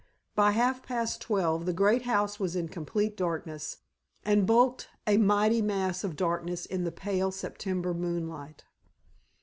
By half past twelve the great house was in complete darkness, and bulked a mighty mass of darkness in the pale September moonlight.